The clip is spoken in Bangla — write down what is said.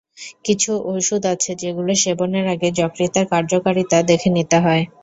কিছু ওষুধ আছে, যেগুলো সেবনের আগে যকৃতের কার্যকারিতা দেখে নিতে হয়।